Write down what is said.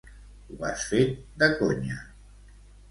Ho has fet de conya.